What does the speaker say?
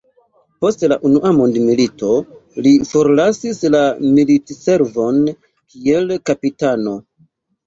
Post la Unua Mondmilito li forlasis la militservon kiel kapitano.